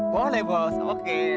boleh bos oke